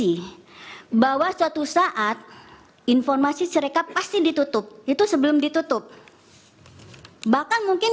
ini bahwa suatu saat informasi serekap pasti ditutup itu sebelum ditutup bahkan mungkin